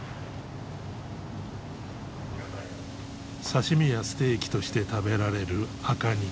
刺身やステーキとして食べられる赤肉。